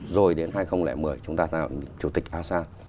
rồi đến hai nghìn một mươi chúng ta là chủ tịch asean